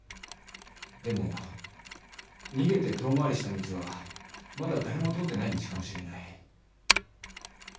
でも逃げて遠回りした道はまだ誰も通ってない道かもしれない。